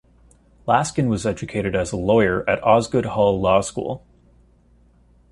Laskin was educated as a lawyer at Osgoode Hall Law School.